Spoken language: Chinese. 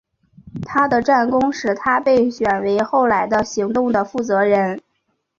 他的战功使他被选为后来的行动的负责人。